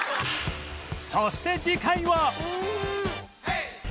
そして次回は